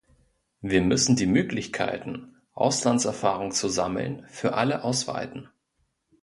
Wir müssen die Möglichkeiten, Auslandserfahrung zu sammeln, für alle ausweiten.